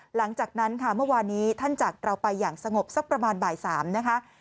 หลังจากนั้นค่ะเมื่อวานนี้ท่านจากเราไปอย่างสงบสักประมาณบ่าย๓นะคะ